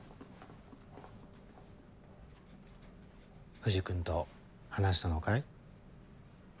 藤君と話したのかい？